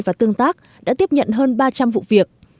và tương tác đã tiếp nhận hơn ba trăm linh vụ việc